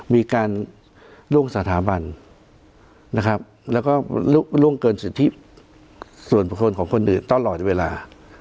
มีการล่วงสถาบันนะครับแล้วก็ล่วงเกินสิทธิส่วนบุคคลของคนอื่นตลอดเวลา